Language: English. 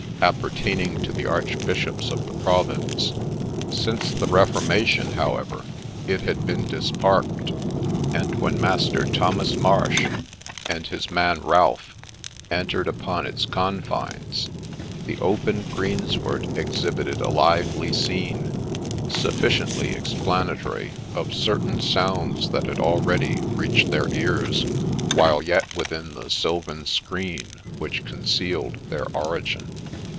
appertaining to the Archbishops of the Province. Since the Reformation, however, it had been dis parked ; and when Master Thomas Marsh, and his man Ralph, entered upon its confines, the open greensward exhibited a lively scene, sufficiently explanatory of certain sounds that had already reached their ears while yet within the sylvan screen which con cealed their origin.